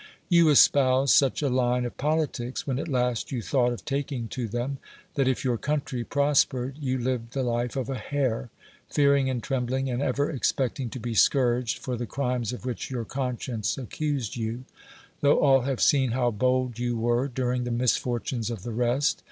You espoused such a line of politics (when at last you thought of taking to them) that, if your country prospered, you lived the life of a hare, fearing and trembling and ever expecting to be scourged for the crimes of which your conscience accused you ; tho all have seen how bold you were during the misfortunes of the rest.